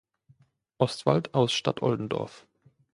Ostwald aus Stadtoldendorf.